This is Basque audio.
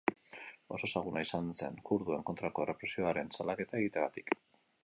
Oso ezaguna izan zen Kurduen kontrako errepresioaren salaketa egiteagatik.